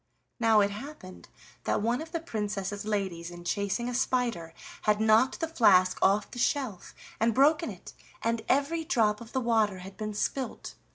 Now it happened that one of the Princess's ladies in chasing a spider had knocked the flask off the shelf and broken it, and every drop of the water had been spilt.